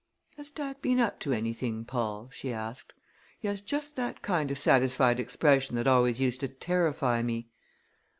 "Has dad been up to anything, Paul?" she asked. "He has just that kind of satisfied expression that always used to terrify me."